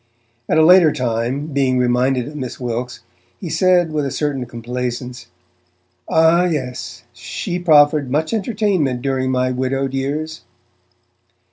At a later time, being reminded of Miss Wilkes, he said with a certain complaisance, 'Ah, yes! she proffered much entertainment during my widowed years!'